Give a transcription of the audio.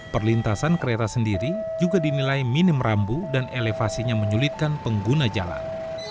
perlintasan kereta sendiri juga dinilai minim rambu dan elevasinya menyulitkan pengguna jalan